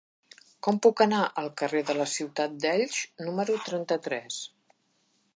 Com puc anar al carrer de la Ciutat d'Elx número trenta-tres?